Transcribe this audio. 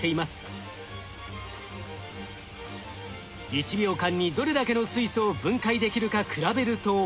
１秒間にどれだけの水素を分解できるか比べると。